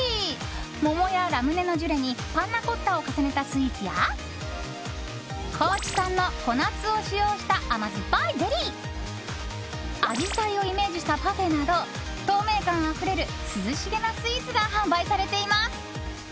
桃やラムネのジュレにパンナコッタを重ねたスイーツや高知産の小夏を使用した甘酸っぱいゼリーアジサイをイメージしたパフェなど透明感あふれる、涼しげなスイーツが販売されています。